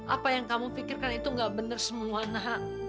apa yang kamu pikirkan itu tidak benar semua nak